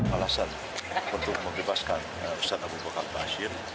alasan untuk membebaskan ustadz abu bakar basir